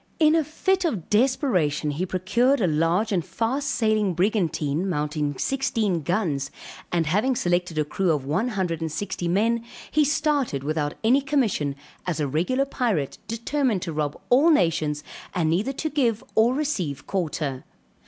In a fit of desperation he procured a large and fast sailing brigantine mounting sixteen guns and having selected a crew of one hundred and sixty men he started without any commission as a regular pirate determined to rob all nations and neither to give or receive quarter.